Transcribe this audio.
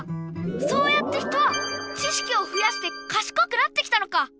そうやって人は知識をふやしてかしこくなってきたのか！